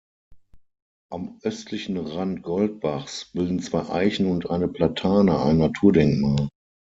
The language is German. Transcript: Am östlichen Rand Goldbachs bilden zwei Eichen und eine Platane ein Naturdenkmal.